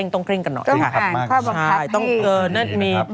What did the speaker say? ต้องผ่านความความความคับให้